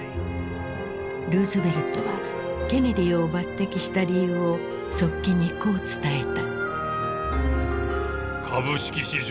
ルーズベルトはケネディを抜てきした理由を側近にこう伝えた。